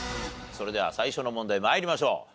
それでは最初の問題参りましょう。